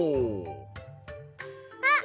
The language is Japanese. あっ！